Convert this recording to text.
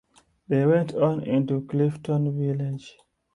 They went on into Clifton village.